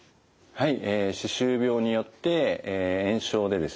はい。